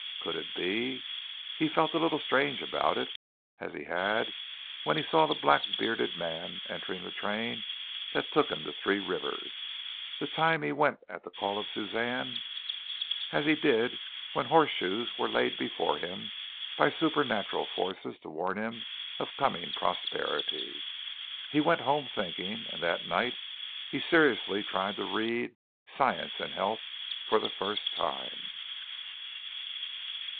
Could it be? He felt a little strange about it, as he had when he saw the black bearded man entering the train that took him to Three Rivers, the time he went at the call of Suzanne, as he did when horseshoes were laid before him by supernatural forces to warn him of coming prosperity. He went home thinking, and that night he seriously tried to read "Science and Health" for the first time.